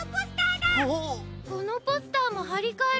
このポスターもはりかえられてる。